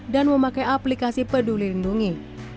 dan memakai aplikasi peduli lindungi